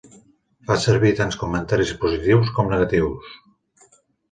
Fa servir tant comentaris positius com negatius.